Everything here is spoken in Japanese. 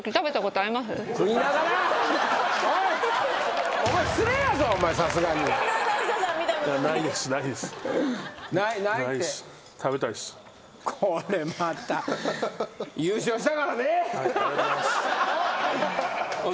ありがとうございます。